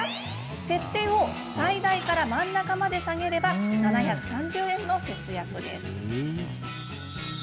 設定を最大から真ん中まで下げれば、７３０円の節約です。